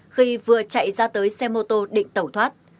khi vừa chạy ra tới xe mô tô định tẩu thoát